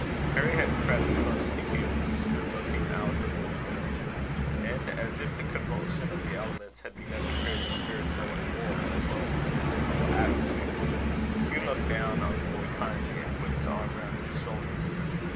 Harry had crept close to Hugh, who stood looking out of the window; and as if the convulsion of the elements had begun to clear the spiritual and moral, as well as the physical atmosphere, Hugh looked down on the boy kindly, and put his arm round his shoulders.